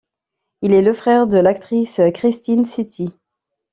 Il est le frère de l'actrice Christine Citti.